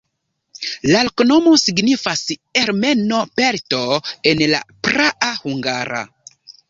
La loknomo signifas ermeno-pelto en la praa hungara.